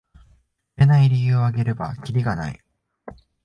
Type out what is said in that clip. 売れない理由をあげればキリがない